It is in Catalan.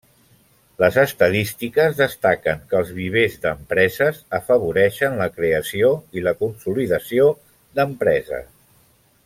Les estadístiques destaquen que els vivers d'empreses afavoreixen la creació i la consolidació d'empreses.